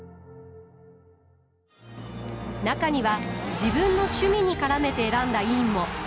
中には自分の趣味に絡めて選んだ委員も。